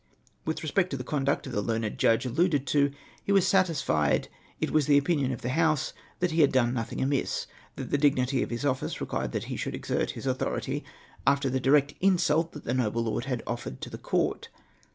AVith respect to the conduct of tlie learned judge alluded to, he Avas satisfied it was the opinion of the House that he had done nothing amiss — that tlie dignity of his office required that he should exert his authority after the direct insult that the noble lord had offered to the court